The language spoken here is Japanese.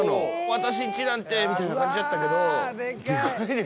「私んちなんて」みたいな感じだったけどデカいね。